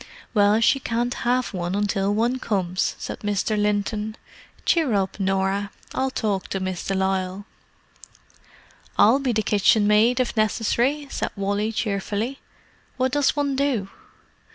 "Well, she can't have one until one comes," said Mr. Linton. "Cheer up, Norah, I'll talk to Miss de Lisle." "I'll be the kitchenmaid, if necessary," said Wally cheerfully. "What does one do?"